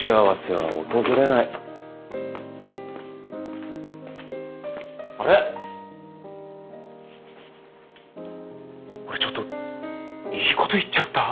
あれ俺ちょっといいこと言っちゃった？